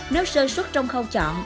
nếu sơ xuất trong khâu chọn